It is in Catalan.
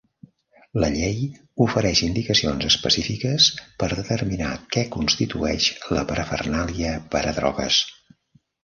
La llei ofereix indicacions específiques per determinar què constitueix la parafernàlia per a drogues.